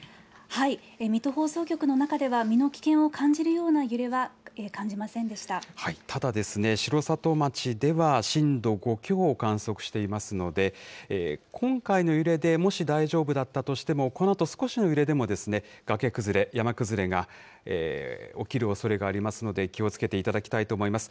水戸放送局の中では、身の危険を感じるような揺れは感じませただ、城里町では震度５強を観測していますので、今回の揺れで、もし大丈夫だったとしても、このあと少しの揺れでも、崖崩れ、山崩れが起きるおそれがありますので、気をつけていただきたいと思います。